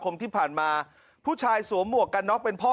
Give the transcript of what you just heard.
มันต่อยโอ้โห